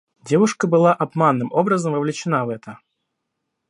Девушка была обманным образом вовлечена в это...